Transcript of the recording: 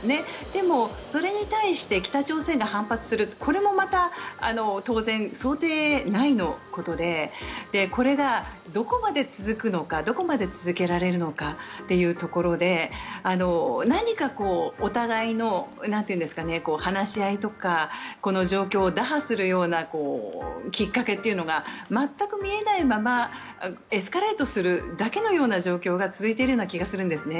でも、それに対して北朝鮮が反発するこれもまた当然、想定内のことでこれがどこまで続くのかどこまで続けられるのかというところで何かお互いの話し合いとかこの状況を打破するようなきっかけというのが全く見えないままエスカレートするだけのような状況が続いている気がするんです。